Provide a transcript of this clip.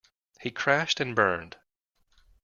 He crashed and burned